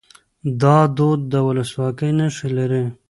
دا دود د ولسواکۍ نښې لري.